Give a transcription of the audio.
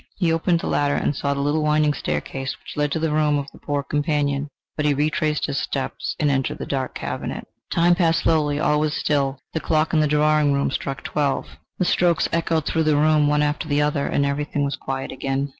He opened the latter, and saw the little winding staircase which led to the room of the poor companion... But he retraced his steps and entered the dark cabinet. The time passed slowly. All was still. The clock in the drawing room struck twelve; the strokes echoed through the room one after the other, and everything was quiet again.